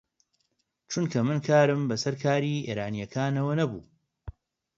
چونکە من کارم بە سەر کاری ئێرانییەکانەوە نەبوو